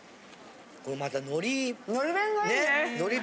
これまたのり。